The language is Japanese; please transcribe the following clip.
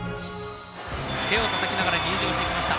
手をたたきながら入場してきました